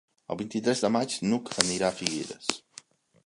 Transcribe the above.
El vint-i-tres de maig n'Hug anirà a Figueres.